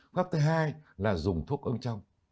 pháp thứ hai là dùng thuốc ương trong